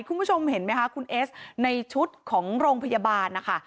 คุณผู้ชมเห็นไหมคะคุณเอสในชุดของโรงพยาบาลนะคะ